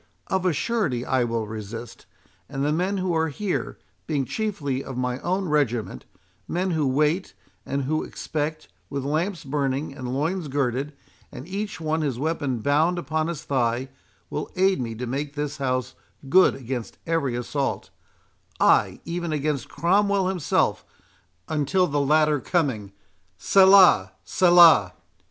Of a surety I will resist; and the men who are here, being chiefly of my own regiment—men who wait, and who expect, with lamps burning and loins girded, and each one his weapon bound upon his thigh, will aid me to make this house good against every assault—ay, even against Cromwell himself, until the latter coming—Selah! Selah!"